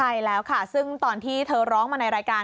ใช่แล้วค่ะซึ่งตอนที่เธอร้องมาในรายการ